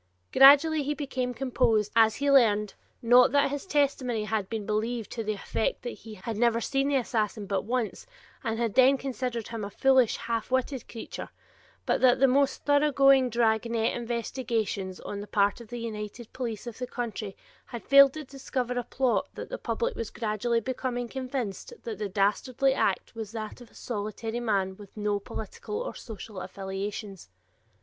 Gradually he became composed as he learned, not that his testimony had been believed to the effect that he had never seen the assassin but once and had then considered him a foolish half witted creature, but that the most thoroughgoing "dragnet" investigations on the part of the united police of the country had failed to discover a plot and that the public was gradually becoming convinced that the dastardly act was that of a solitary man with no political or social affiliations.